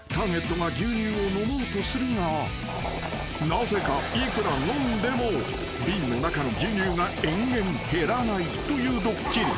［なぜかいくら飲んでも瓶の中の牛乳が延々減らないというドッキリ］